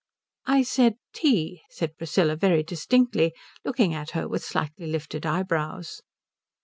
"I said tea," said Priscilla very distinctly, looking at her with slightly lifted eyebrows.